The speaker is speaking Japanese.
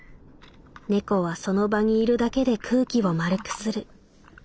「猫はその場にいるだけで空気を丸くする。